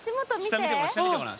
下見てごらん。